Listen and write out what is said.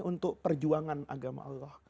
untuk perjuangan agama allah